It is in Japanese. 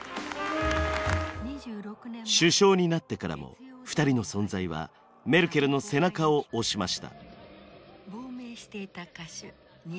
首相になってからも２人の存在はメルケルの背中を押しました。